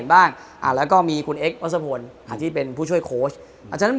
ส่วนทีมงานของภาโน